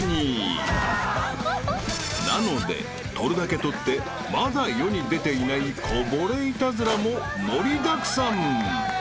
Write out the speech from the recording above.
［なので撮るだけ撮ってまだ世に出ていないこぼれイタズラも盛りだくさん］